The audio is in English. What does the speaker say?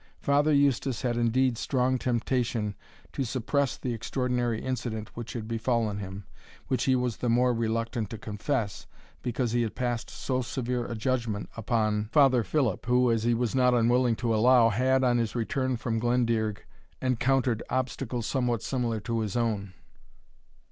Father Eustace had indeed strong temptation to suppress the extraordinary incident which had befallen him, which he was the more reluctant to confess, because he had passed so severe a judgment upon Father Philip, who, as he was not unwilling to allow, had, on his return from Glendearg, encountered obstacles somewhat similar to his own.